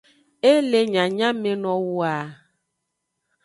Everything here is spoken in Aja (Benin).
E le nyanyamenowoa.